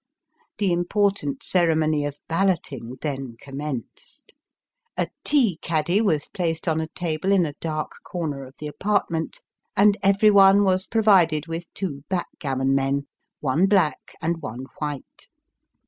The important ceremony of balloting then commenced. A tea caddy was placed on a table in Vote by Ballot. 293 a dark corner of the apartment, and every one was provided with two backgammon men, one black and one white.